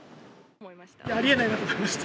ありえないと思いました。